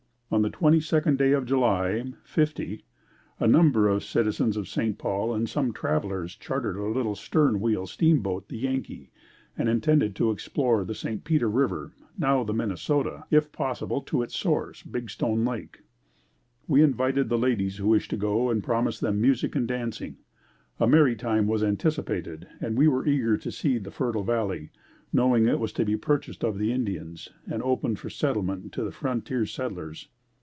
On the 22nd day of July '50, a number of citizens of St. Paul and some travelers chartered a little stern wheel steamboat, the Yankee, and intended to explore the St. Peter River, now the Minnesota, if possible to its source, Big Stone Lake. We invited the ladies who wished to go, promising them music and dancing. A merry time was anticipated and we were eager to see the fertile valley, knowing it was to be purchased of the Indians and opened for settlement to the frontier settlers.